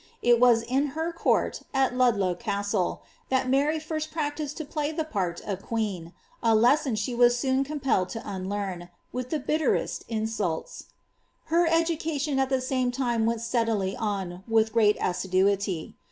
It was in her court, at Ludlow Castle, that Mary first practised to play the part of qneen, a lesson she was soon compelled to unlearn, with the bitterest insults. Her education at the same time went steadily on with great aviduity.